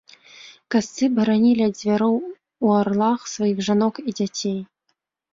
Касцы баранілі ад звяроў у арлах сваіх жанок і дзяцей.